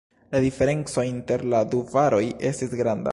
La diferenco inter la du varoj estis granda.